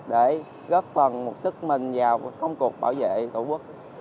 để góp phần một sức mình vào công cuộc bảo vệ tổ quốc